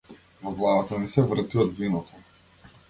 Во главата ми се врти од виното.